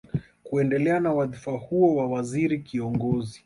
Kuendelea na wadhifa huo wa waziri kiongozi